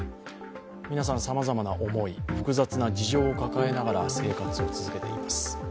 皆さん、さまざまな思い、複雑な事情を抱えながら生活を続けています。